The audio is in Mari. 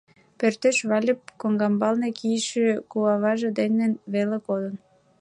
Пӧртеш Выльып коҥгамбалне кийыше куваваж дене веле кодын.